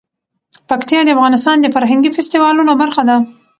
پکتیا د افغانستان د فرهنګي فستیوالونو برخه ده.